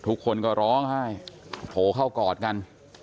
ทุกคนก็ร้องไห้โผล่เข้ากอดกัน